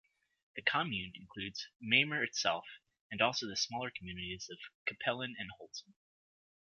The commune includes Mamer itself, and also the smaller communities of Capellen and Holzem.